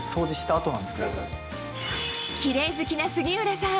キレイ好きな杉浦さん